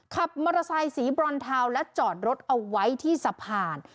ขับมอเตอร์ไซค์สีบรอนเทาและจอดรถเอาไว้ที่สะพาน